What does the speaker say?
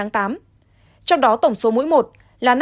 trong đó tổng số mũi một là năm bảy trăm ba mươi bốn